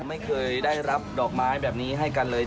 ไม่เคยได้รับดอกไม้แบบนี้ให้กันเลย